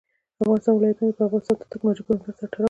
د افغانستان ولايتونه د افغانستان د تکنالوژۍ پرمختګ سره تړاو لري.